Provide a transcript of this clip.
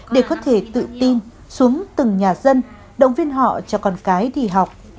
để có thể tự tin xuống từng nhà dân động viên họ cho con cái đi học